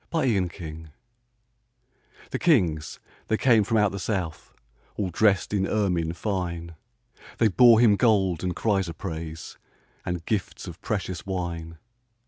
Christmas Carol The kings they came from out the south, All dressed in ermine fine, They bore Him gold and chrysoprase, And gifts of precious wine.